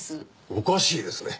おかしいですね。